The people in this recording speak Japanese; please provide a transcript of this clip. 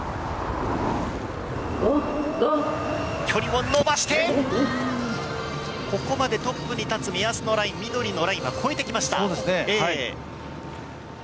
距離を延ばして、ここまでトップに立つ目安のライン緑のラインは越えてきました。